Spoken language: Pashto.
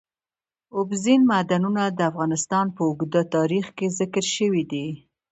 اوبزین معدنونه د افغانستان په اوږده تاریخ کې ذکر شوی دی.